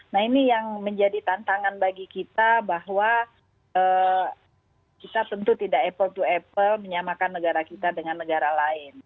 nah ini yang menjadi tantangan bagi kita bahwa kita tentu tidak apple to apple menyamakan negara kita dengan negara lain